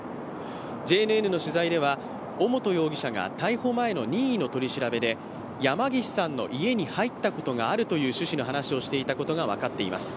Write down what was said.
ＪＮＮの取材では、尾本容疑者が逮捕前の任意の取り調べで山岸さんの家に入ったことがあるという趣旨の話をしていたことが分かっています。